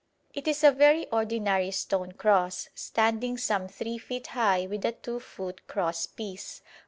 It is a very ordinary stone cross, standing some three feet high with a two foot cross piece.